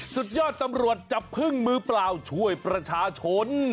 สุดยอดตำรวจจับพึ่งมือเปล่าช่วยประชาชน